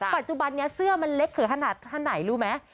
ปัจจุบันเนี้ยเสื้อมันเล็กเผื่อขนาดไหนรู้มั้ย